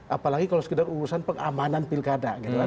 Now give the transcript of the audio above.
apalagi kalau sekedar urusan pengamanan pilkada